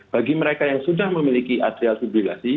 jadi mereka yang sudah memiliki atrial fibrilasi